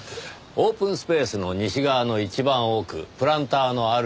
オープンスペースの西側の一番奥プランターのある席。